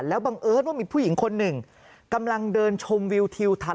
แล้วบังเอิญว่ามีผู้หญิงคนหนึ่งกำลังเดินชมวิวทิวไทย